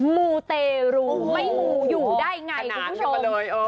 มูเตรูไม่มูอยู่ได้ไงคุณผู้ชมขนาดขึ้นไปเลยโอ้